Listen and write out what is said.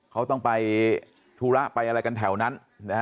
เขาต้องไปธุระไปอะไรกันแถวนั้นนะฮะ